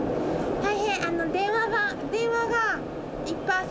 はい。